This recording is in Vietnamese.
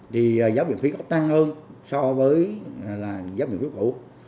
thì giáo viện phí có tăng hơn so với giáo viện phí cũ